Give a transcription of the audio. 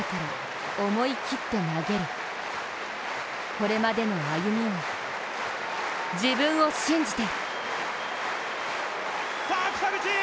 これまでの歩みを、自分を信じて。